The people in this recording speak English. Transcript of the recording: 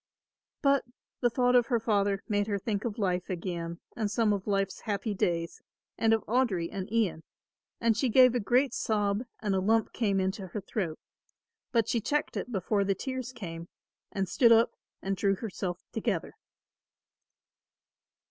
But the thought of her father made her think of life again and some of life's happy days and of Audry and Ian, and she gave a great sob and a lump came into her throat; but she checked it before the tears came and stood up and drew herself together.